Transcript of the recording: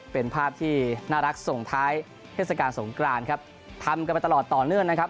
เป็นภาพที่น่ารักส่งท้ายเทศกาลสงกรานครับทำกันไปตลอดต่อเนื่องนะครับ